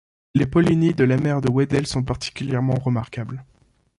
Les polynies de la mer de Weddell sont particulièrement remarquables.